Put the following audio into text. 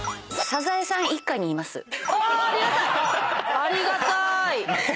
ありがたーい。